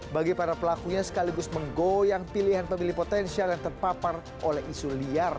bagi para pelakunya sekaligus menggoyang pilihan pemilih potensial yang terpapar oleh isu liar